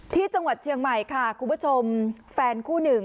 ที่จังหวัดเชียงใหม่ค่ะคุณผู้ชมแฟนคู่หนึ่ง